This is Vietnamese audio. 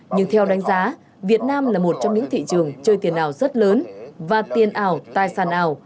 nhưng theo đánh giá việt nam là một trong những thị trường chơi tiền ảo rất lớn và tiền ảo tài sản ảo